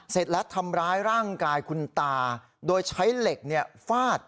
เสร็จแล้วทำร้ายร่างกายคุณตาโดยใช้เหล็กฟาด